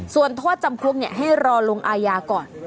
ส่วนโทษจำคุกให้รอลงอาญาก่อน